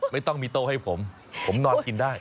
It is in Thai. ไม่ต้องมีโต๊ะให้ผมผมนอนกินได้